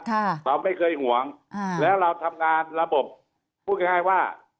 เราไม่เคยห่วงอ่าแล้วเราทำงานระบบพูดง่ายง่ายว่า